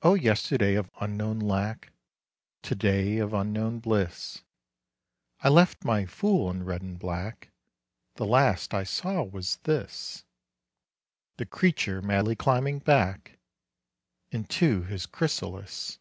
O yesterday of unknown lackTo day of unknown bliss!I left my fool in red and black; The last I saw was this,—The creature madly climbing backInto his chrysalis.